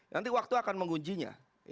nanti waktu akan menggunjinya